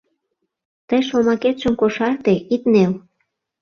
— Тый шомакетшым кошарте, ит нел!